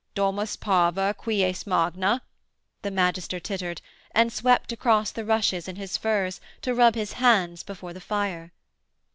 'Domus parva, quies magna,' the magister tittered, and swept across the rushes in his furs to rub his hands before the fire.